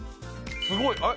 すごいえっ？